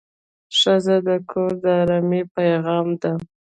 ښځه د کور د ارامۍ پېغام ده.